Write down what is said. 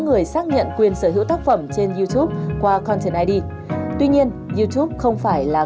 người xác nhận quyền sở hữu tác phẩm trên youtube qua con trở lại đi tuy nhiên youtube không phải là